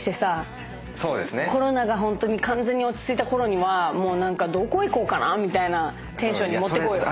コロナがホントに完全に落ち着いたころにはどこ行こうかなみたいなテンションに持ってこうよ。